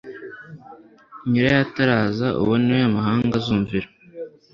Nyirayo ataraza." Uwo ni we amahanga azumvira.